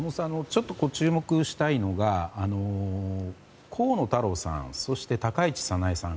ちょっと注目したいのが河野太郎さん、高市早苗さん。